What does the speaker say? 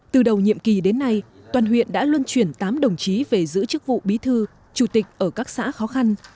từ đầu nhiệm kỳ đến nay toàn huyện đã luân chuyển tám đồng chí về giữ chức vụ bí thư chủ tịch ở các xã khó khăn